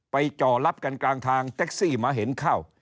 จ่อรับกันกลางทางแท็กซี่มาเห็นเข้า